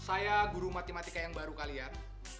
saya guru matematika yang baru kalian